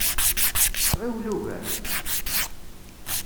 Ɣiwel ugar!